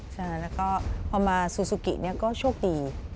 ใช่แล้วก็พอมาซูซูกิก็โชคดี